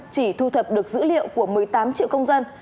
chỉ thu thập được dữ liệu của một mươi tám triệu công dân